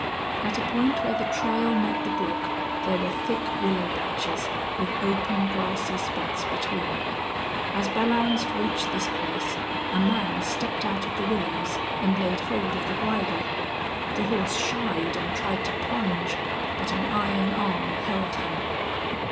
At a point where the trail met the brook there were thick willow patches, with open, grassy spots between. As Belllounds reached this place a man stepped out of the willows and laid hold of the bridle. The horse shied and tried to plunge, but an iron arm held him.